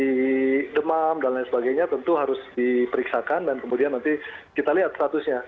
jadi demam dan lain sebagainya tentu harus diperiksakan dan kemudian nanti kita lihat statusnya